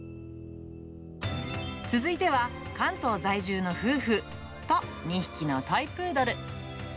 続いては関東在住の夫婦と２匹のトイプードル。